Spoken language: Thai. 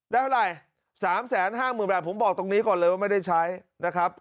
เท่าไหร่๓๕๐๐๐บาทผมบอกตรงนี้ก่อนเลยว่าไม่ได้ใช้นะครับ